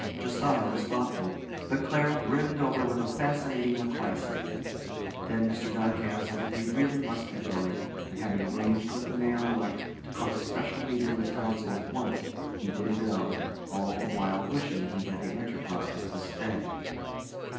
Josiah was thoughtful, but Clara brimmed over with a fascinating loquacity. Then Mr. Duncalf said that he must really be going, and, having arranged with the Mayor elect to call a special meeting of the Council at once, he did go, all the while wishing he had the enterprise to stay.